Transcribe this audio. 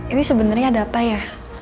ini sebenarnya ada apa ya